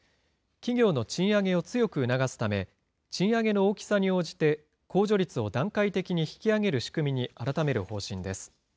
企業の賃上げを強く促すため、賃上げの大きさに応じて、控除率を段階的に引き上げる仕組みに改める方針です。